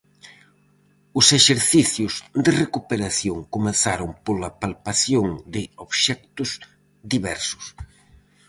Os exercicios de recuperación comezaron pola palpación de obxectos diversos.